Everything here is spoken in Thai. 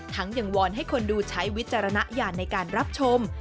ยังวอนให้คนดูใช้วิจารณญาณในการรับชม